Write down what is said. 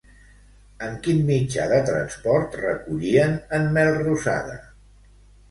En quin mitjà de transport recollien en Melrosada?